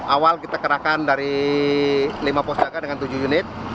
awal kita kerahkan dari lima pusdaka dengan tujuh unit